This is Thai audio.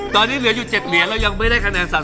ตอนนี้เหลืออยู่๗เหรียญเรายังไม่ได้คะแนนสะ